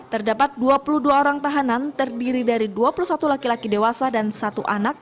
terdapat dua puluh dua orang tahanan terdiri dari dua puluh satu laki laki dewasa dan satu anak